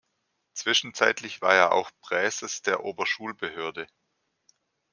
Zwischenzeitlich war er auch Präses der Oberschulbehörde.